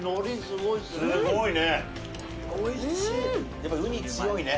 やっぱウニ強いね。